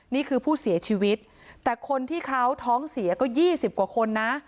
นี่คือผู้เสียชีวิตแต่คนที่เขาท้องเสียก็๒๐กว่าคนนะ